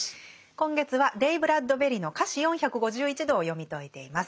今月はレイ・ブラッドベリの「華氏４５１度」を読み解いています。